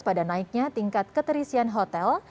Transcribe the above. pada naiknya tingkat keterisian hotel